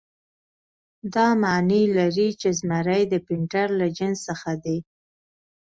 دا معنی لري چې زمری د پینتر له جنس څخه دی.